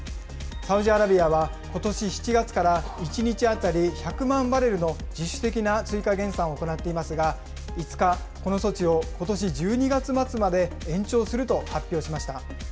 サウジアラビアはことし７月から、１日当たり１００万バレルの自主的な追加減産を行っていますが、５日、この措置をことし１２月末まで延長すると発表しました。